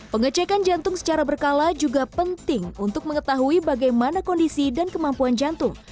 pengecekan jantung secara berkala juga penting untuk mengetahui bagaimana kondisi dan kemampuan jantung